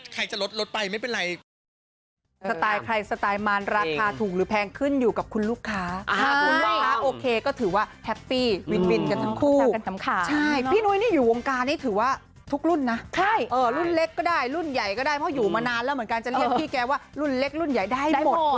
จะลดลดไปไม่เป็นไร